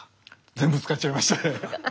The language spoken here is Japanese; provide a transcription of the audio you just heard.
全部使っちゃいましたね。